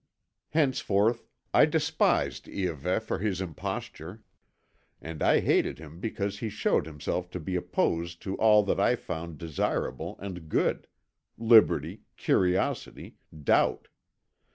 Henceforth I despised Iahveh for his imposture, and I hated him because he showed himself to be opposed to all that I found desirable and good: liberty, curiosity, doubt.